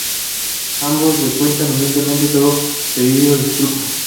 Ambos le cuentan humildemente todo, pidiendo disculpas.